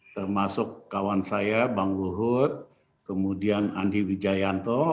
termasuk kawan saya bang luhut kemudian andi wijayanto